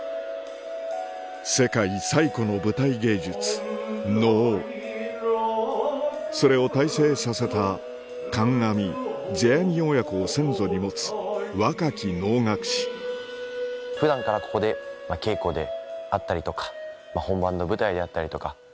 世界最古の舞台芸術能それを大成させた観阿弥世阿弥親子を先祖に持つ若き能楽師普段からここで稽古であったりとか本番の舞台であったりとか。